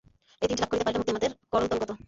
এই তিনটি লাভ করিতে পারিলে মুক্তি আমাদের করতলগত।